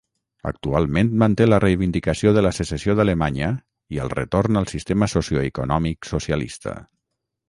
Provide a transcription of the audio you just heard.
Actualment manté la reivindicació de la secessió d'Alemanya i el retorn al sistema socioeconòmic socialista.